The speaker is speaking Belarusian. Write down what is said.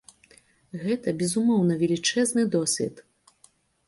Гэта, безумоўна, велічэзны досвед.